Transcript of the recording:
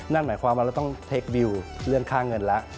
นั่นหมายความว่าเราต้องเทควิวเรื่องค่าเงินแล้ว